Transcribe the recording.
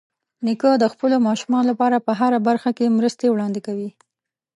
نیکه د خپلو ماشومانو لپاره په هره برخه کې مرستې وړاندې کوي.